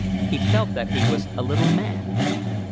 He felt that he was a little mad.